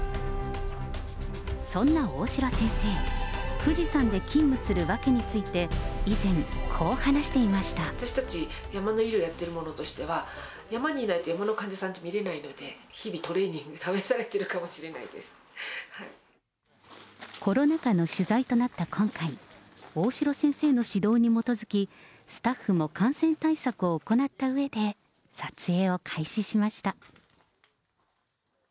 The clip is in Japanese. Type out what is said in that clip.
そんな大城先生、富士山で勤務する訳について、以前、こう話して私たち、山の医療をやってる者としては、山にいないと山の患者さんって診れないので、日々トレーニングでコロナ禍の取材となった今回、大城先生の指導に基づき、スタッフも感染対策を行ったうえで撮影を開始しました。